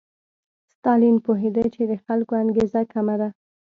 ستالین پوهېده چې د خلکو انګېزه کمه ده.